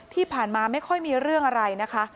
ที่ผ่านมาไม่ค่อยมีเรื่องอะไรนะคะ